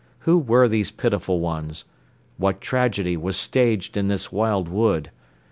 Who were these pitiful ones? What tragedy was staged in this wild wood?